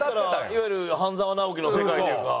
いわゆる『半沢直樹』の世界というか。